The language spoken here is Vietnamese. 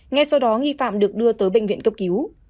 ngay sau đó nghi phạm được đưa tới bệnh viện cấp cứu